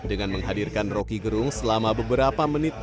dengan menghadirkan roky gerung selama beberapa menit